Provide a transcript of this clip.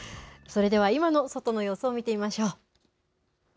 それでは今の外の様子を見てみましょう。